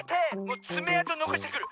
もうつめあとのこしてくる！